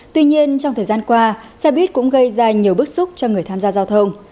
tuy nhiên trong thời gian qua xe buýt cũng gây ra nhiều bức xúc cho người tham gia giao thông